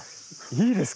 いいですか？